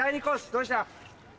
どうした？